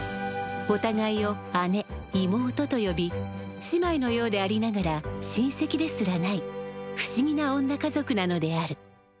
おたがいを姉妹と呼び姉妹のようでありながら親せきですらない不思議な女家族なのである。